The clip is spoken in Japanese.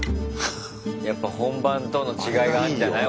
やっぱ本番との違いがあるんじゃない？